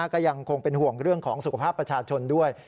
ก็ยังคงเป็นห่วงเรื่องของสุขภาพประชาชนด้วย